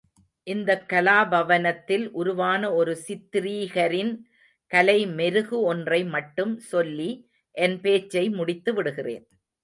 இந்தக் கலாபவனத்தில் உருவான ஒரு சித்ரீகரின் கலை மெருகு ஒன்றை மட்டும் சொல்லி என் பேச்சை முடித்துவிடுகிறேன்.